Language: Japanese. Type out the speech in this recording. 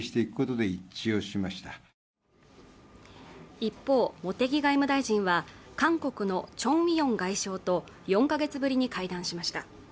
一方、茂木外務大臣は、韓国のチョン・ウィヨン外相と４ヶ月ぶりに会談しました。